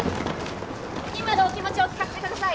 今のお気持ちを聞かせてください。